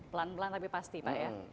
pelan pelan tapi pasti pak ya